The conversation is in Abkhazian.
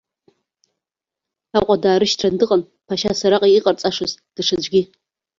Аҟәа даарышьҭран дыҟан ԥашьас араҟа иҟарҵашаз даҽаӡәгьы.